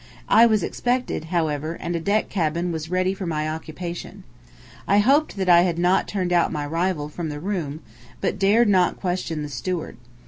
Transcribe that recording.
I was expected, however, and a deck cabin was ready for my occupation. I hoped that I had not turned out my rival from the room, but dared not question the steward.